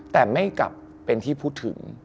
แต่ไม่กลับเป็นที่พูดถึง